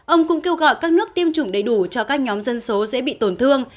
ông cũng kêu gọi các nước tiêm chủng đầy đủ cho các nhóm dân số dễ bị tổn thương